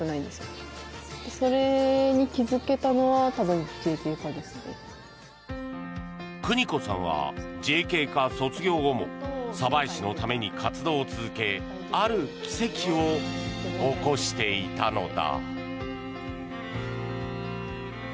そして、こんな人も。くにこさんはＪＫ課卒業後も鯖江市のために活動を続けある奇跡を起こしていたのだ。